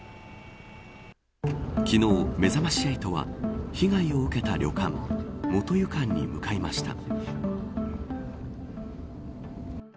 昨日、めざまし８は被害を受けた旅館元湯館に向かいました。